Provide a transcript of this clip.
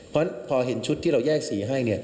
เพราะพอเห็นชุดที่เราแยกสีให้